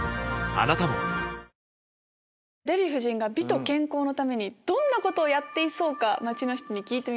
あなたも美と健康のためにどんなことをやっていそうか聞いてみました。